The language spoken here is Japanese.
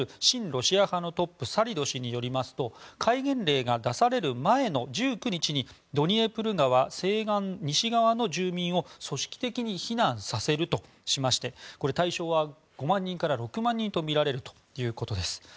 ロシア派のトップサリド氏によりますと戒厳令が出される前の１９日にドニエプル川西側の住民を組織的に避難させるとしましてこれ、対象は５万人から６万人とみられるということです。